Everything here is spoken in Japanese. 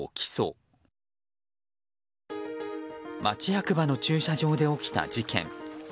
町役場の駐車場で起きた事件。